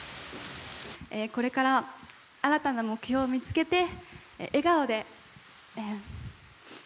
これから新たな目標を見つけて笑顔で。